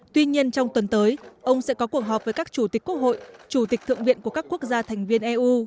tuy nhiên trong tuần tới ông sẽ có cuộc họp với các chủ tịch quốc hội chủ tịch thượng viện của các quốc gia thành viên eu